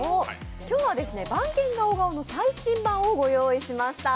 今日は、番犬ガオガオの最新版をご用意しました。